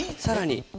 さらに。